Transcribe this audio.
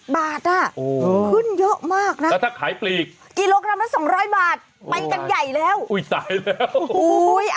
บาทอ่ะขึ้นเยอะมากนะแล้วถ้าขายปลีกกิโลกรัมละสองร้อยบาทไปกันใหญ่แล้วอุ้ยตายแล้วโอ้โห